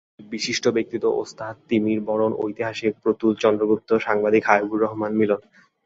বিশিষ্ট ব্যক্তিত্ব—ওস্তাদ তিমির বরণ, ঐতিহাসিক প্রতুল চন্দ্রগুপ্ত, সাংবাদিক হাবিবুর রহমান মিলন।